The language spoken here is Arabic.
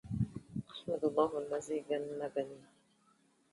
أحمد الله الذي جنبني